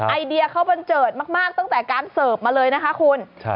ไอเดียเขาบันเจิดมากตั้งแต่การเสิร์ฟมาเลยนะคะคุณ